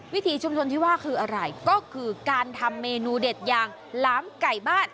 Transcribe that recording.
ถีชุมชนที่ว่าคืออะไรก็คือการทำเมนูเด็ดอย่างหลามไก่บ้าน